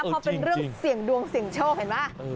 พอเป็นเรื่องเสี่ยงดวงเสี่ยงโชคเห็นไหม